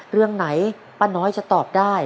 เรื่องไหนป้าน้อยจะตอบได้